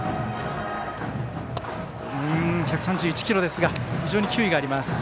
１３１キロですが非常に球威があります。